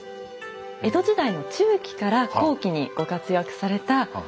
江戸時代の中期から後期にご活躍された花魁です。